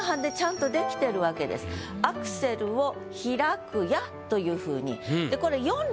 それがもう「アクセルを開くや」というふうに。